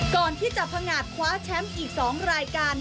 ก่อนที่จะพังงาดคว้าแชมป์อีก๒รายการ